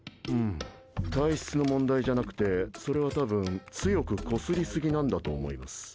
体質の問題じゃなくてそれは多分強くこすりすぎなんだと思います。